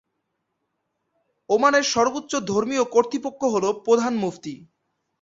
ওমানের সর্বোচ্চ ধর্মীয় কর্তৃপক্ষ হল প্রধান মুফতি।